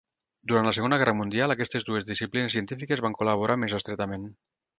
Durant la Segona Guerra Mundial aquestes dues disciplines científiques van col·laborar més estretament.